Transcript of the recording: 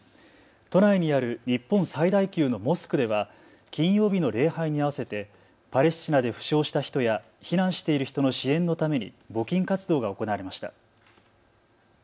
都内にある日本最大級のモスクでは金曜日の礼拝に合わせてパレスチナで負傷した人や避難している人の支援のために募金活動が行われました。